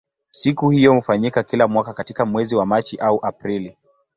Siku hiyo hufanyika kila mwaka katika mwezi wa Machi au Aprili.